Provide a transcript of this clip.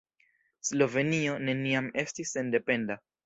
Slovenio neniam estis sendependa.